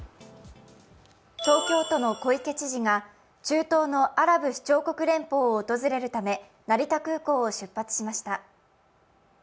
東京都の小池知事が中東のアラブ首長国連邦を訪れるため成田空港を出発しました。